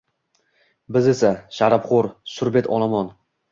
Biz esa, sharobxo’r, surbet olomon